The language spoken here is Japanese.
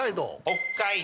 北海道。